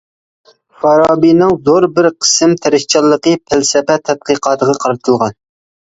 فارابىنىڭ زور بىر قىسىم تىرىشچانلىقى پەلسەپە تەتقىقاتىغا قارىتىلغان.